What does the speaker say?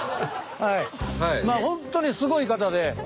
まあ本当にすごい方で。